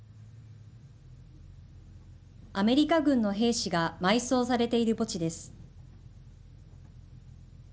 アメリカ軍の兵士が埋葬されている墓地です。